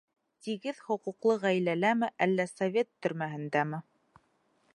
Тигеҙ хоҡуҡлы ғаиләләме, әллә совет төрмәһендәме?